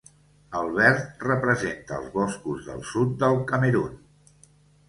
El verd representa els boscos del sud del Camerun.